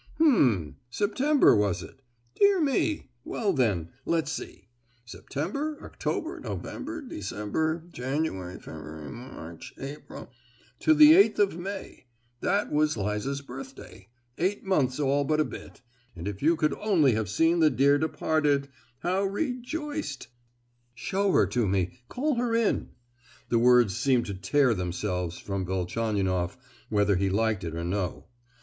"Hum! September was it? Dear me! Well, then, let's see—September, October, November, December, January, February, March, April—to the 8th of May—that was Liza's birthday—eight months all but a bit; and if you could only have seen the dear departed, how rejoiced——" "Show her to me—call her in!" the words seemed to tear themselves from Velchaninoff, whether he liked it or no.